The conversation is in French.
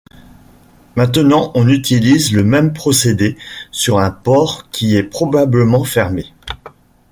Maintenant, on utilise le même procédé sur un port qui est probablement fermé.